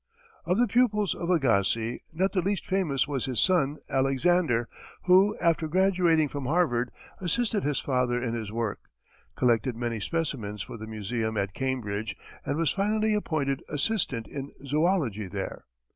Of the pupils of Agassiz, not the least famous was his son, Alexander, who, after graduating from Harvard, assisted his father in his work, collected many specimens for the museum at Cambridge, and was finally appointed assistant in zoology there.